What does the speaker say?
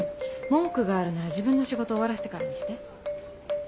文句があるなら自分の仕事終わらせてからにして。